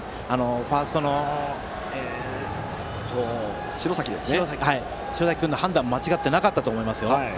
ファーストの白崎君の判断も間違っていなかったと思いますよ。